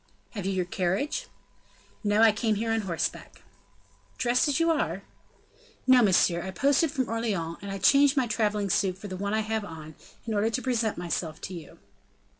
"Have you your carriage?" "No; I came here on horseback." "Dressed as you are?" "No, monsieur; I posted from Orleans, and I changed my traveling suit for the one I have on, in order to present myself to you."